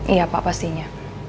iya pak pastinya